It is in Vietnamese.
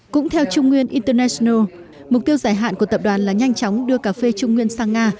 cũng theo trung nguyên internasno mục tiêu dài hạn của tập đoàn là nhanh chóng đưa cà phê trung nguyên sang nga